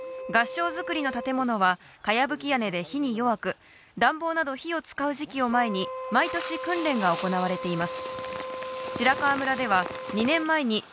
合掌造りの建物は茅葺き屋根で火に弱く、暖房など火を使う前、毎年訓練が行われています。